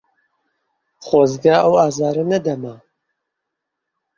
خۆزگە ئەو ئازارە نەدەما.